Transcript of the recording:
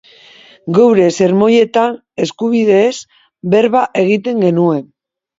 Geure sermoietan eskubideez berba egiten genuen.